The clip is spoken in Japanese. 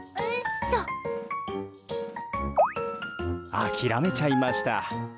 諦めちゃいました。